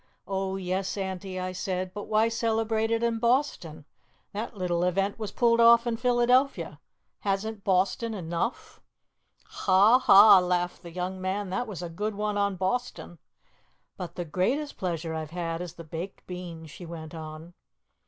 'Oh, yes, Auntie,' I said, 'but why celebrate it in Boston? That little event was pulled off in Philadelphia. Hasn't Boston enough?'" "Ha, ha!" laughed the young man. "That was a good one on Boston." "But the greatest pleasure I've had is the baked beans," she went on.